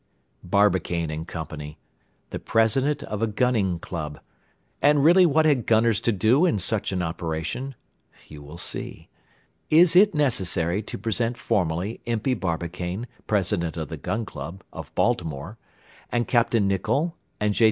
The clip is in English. Barbicane & Co. The president of a gunning club. And really what had gunners to do in such an operation? You will see. Is it necessary to present formally Impey Barbicane, President of the Gun Club, of Baltimore, and Capt. Nicholl, and J.